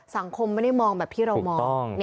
สังคมไม่ได้มองแบบที่เรามอง